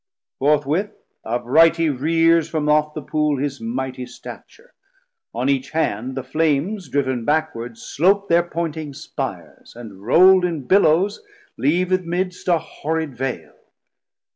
220 Forthwith upright he rears from off the Pool FULL SIZE Medium Size His mighty Stature; on each hand the flames Drivn backward slope their pointing spires, & rowld In billows, leave i'th' midst a horrid Vale.